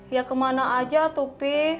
ya kemana aja tuh pi